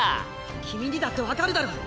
君にだって分かるだろ？